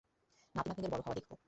নাতি-নাতনীদের বড় হওয়া দেখবো।